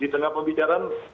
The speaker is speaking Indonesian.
di tengah pembicaraan